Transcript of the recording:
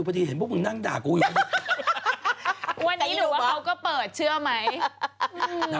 อันนี้จินมะย์ทันวะอะแอลไจ้ห์